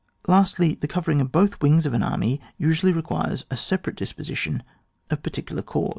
Lastly, the covering of both wings of an army usuaUy requires a separate dis position of particular corps.